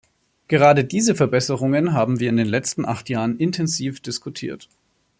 Gerade diese Verbesserungen haben wir in den letzten acht Jahren intensiv diskutiert.